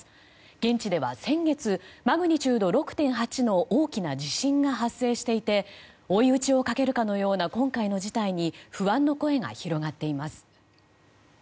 現地では先月マグニチュード６．８の大きな地震が発生していて追い打ちをかけるかのような今回の事態に不安の声が広がっています。